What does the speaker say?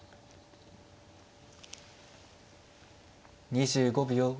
２５秒。